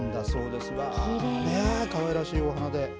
かわいらしいお花で。